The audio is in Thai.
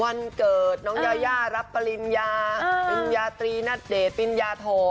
วันเกิดน้องยาย่ารับปริญญายาตรีรับตรีและพิมพ์ยาโท